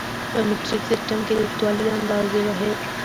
په مټریک سیسټم کې د اوږدوالي د اندازې واحد